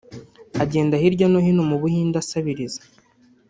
Agenda hirya no hino mu Buhinde asabiriza